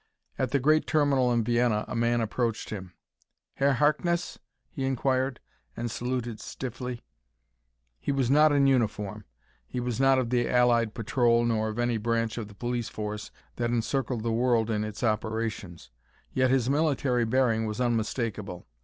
At the great terminal in Vienna a man approached him. "Herr Harkness?" he inquired, and saluted stiffly. He was not in uniform. He was not of the Allied Patrol nor of any branch of the police force that encircled the world in its operations. Yet his military bearing was unmistakable.